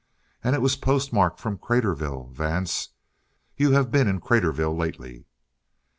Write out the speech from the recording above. "And it was postmarked from Craterville. Vance, you have been in Craterville lately!"